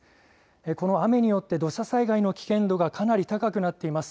この雨によって土砂災害の危険度がかなり高くなっています。